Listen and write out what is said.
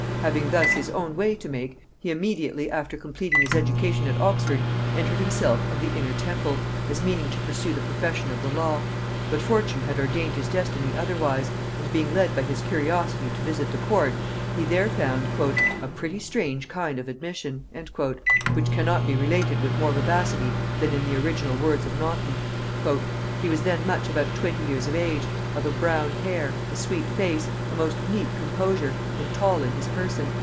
Having thus his own way to make, he immediately after completing his education at Oxford entered himself of the Inner Temple, as meaning to pursue the profession of the law: but fortune had ordained his destiny otherwise; and being led by his curiosity to visit the court, he there found "a pretty strange kind of admission," which cannot be related with more vivacity than in the original words of Naunton. "He was then much about twenty years of age, of a brown hair, a sweet face, a most neat composure, and tall in his person.